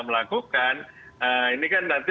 melakukan ini kan nanti